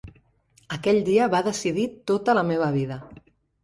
Aquell dia va decidir tota la meva vida.